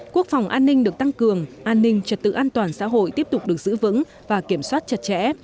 quốc phòng an ninh được tăng cường an ninh trật tự an toàn xã hội tiếp tục được giữ vững và kiểm soát chặt chẽ